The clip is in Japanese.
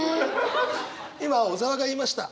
今小沢が言いました。